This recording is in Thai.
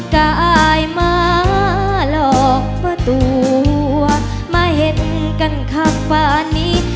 กะอายมะหลอกปะตัวมาเห็นกันคักป่านี้